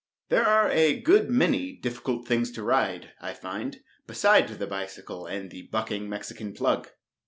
There are a good many difficult things to ride, I find, beside the bicycle and the bucking Mexican plug.